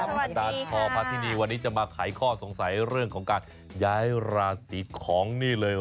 สวัสดีค่ะจานทอพัทธินีวันนี้จะมาไขข้อสงสัยเรื่องของการย้ายราศีของนี่เลย